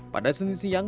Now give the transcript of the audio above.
pada seni siang